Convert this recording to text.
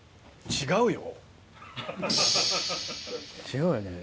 違うよね。